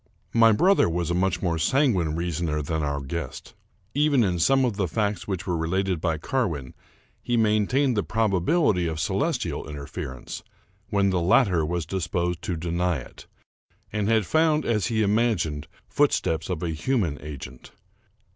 My brother was a much more sanguine reasoner than our guest. Even in some of the facts which were related by Carwin, he maintained the probability of celestial interfer ence, when the latter was disposed to deny it, and had found, as he imagined, footsteps of a human agent.